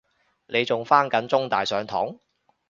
你仲返緊中大上堂？